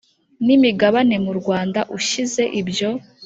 n imigabane mu Rwanda ushyize ibyo